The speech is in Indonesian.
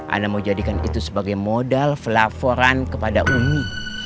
anak mau jadikan itu sebagai modal pelaporan kepada uni